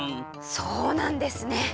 そうなんですね！